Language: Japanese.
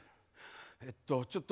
えっとちょっと。